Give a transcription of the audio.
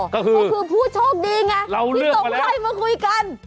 ก็คือผู้โชคดีไงที่ตกไล่มาคุยกัน